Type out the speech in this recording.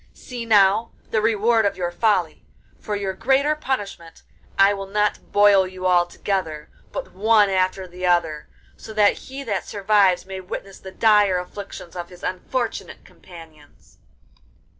See, now, the reward of your folly; for your greater punishment I will not boil you all together, but one after the other, so that he that survives may witness the dire afflictions of his unfortunate companions.